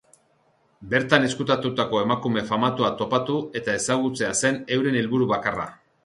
Bertan ezkutatutako emakume famatua topatu eta ezagutzea zen euren helburu bakarra.